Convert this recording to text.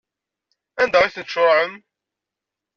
Anda ay ten-tcuṛɛem?